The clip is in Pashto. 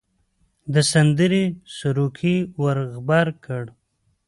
د سندرې سروکی ور غبرګ کړ.